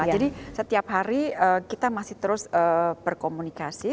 jadi setiap hari kita masih terus berkomunikasi